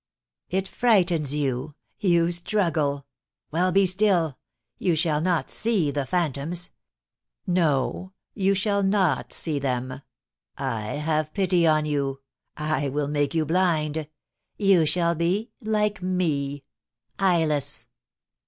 It frightens you, you struggle. Well, be still, you shall not see the phantoms, no, you shall not see them. I have pity on you; I will make you blind. You shall be, like me, eyeless!"